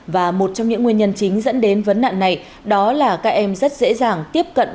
và một trong những nguyên nhân chính dẫn đến vấn nạn này đó là các em rất dễ dàng tiếp cận